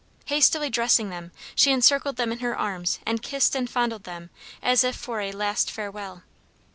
Hastily dressing them she encircled them in her arms and kissed and fondled them as if for a last farewell.